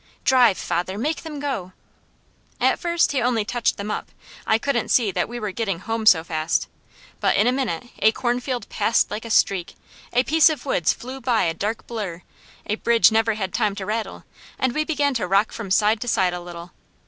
"Drive father! Make them go!" At first he only touched them up; I couldn't see that we were getting home so fast; but in a minute a cornfield passed like a streak, a piece of woods flew by a dark blur, a bridge never had time to rattle, and we began to rock from side to side a little.